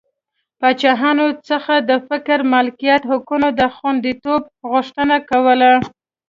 پاچاهانو څخه د فکري مالکیت حقونو د خوندیتوب غوښتنه کوله.